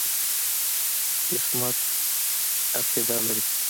عصمت عقیده لري.